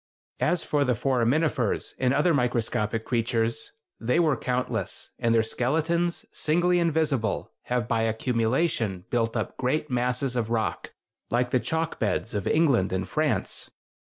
As for the foraminifers and other microscopic creatures, they were countless, and their skeletons, singly invisible, have by accumulation built up great masses of rock, like the chalk beds of England and France.